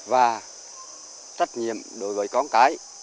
và trách nhiệm đối với con cái